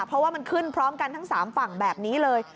เพราะว่ามันขึ้นพร้อมกันทั้ง๓ฝั่งแบบนี้เลย